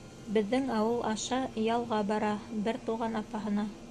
Беҙҙең ауыл аша ялға бара, бер туған апаһына.